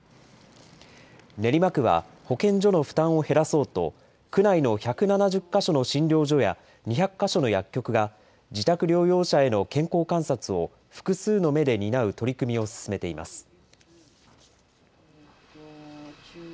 練馬区は保健所の負担を減らそうと、区内の１７０か所の診療所や２００か所の薬局が、自宅療養者への健康観察を複数の目で担う取り組みを進めています。